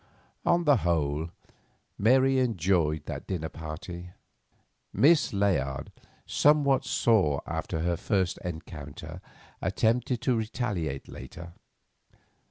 On the whole, Mary enjoyed that dinner party. Miss Layard, somewhat sore after her first encounter, attempted to retaliate later.